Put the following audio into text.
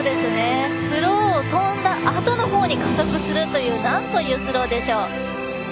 スローを跳んだあとのほうに加速するというなんというスローでしょう。